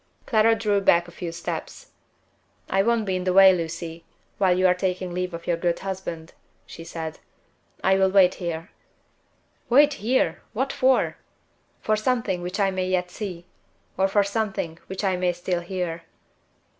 Clara drew back a few steps. "I won't be in the way, Lucy, while you are taking leave of your good husband," she said. "I will wait here." "Wait here! What for?" "For something which I may yet see; or for something which I may still hear."